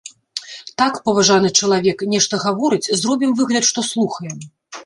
Так, паважаны чалавек, нешта гаворыць, зробім выгляд, што слухаем.